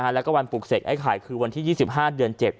แล้วก็วันปลูกเสกไอ้ไข่คือวันที่๒๕เดือน๗